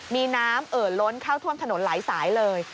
มีน้ำเอ่อล้นเข้าท่วมถนนหลายสายเลย